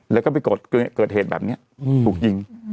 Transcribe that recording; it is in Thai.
แล้วก็ไปเกิดเหตุแบบนี้ถูกยิง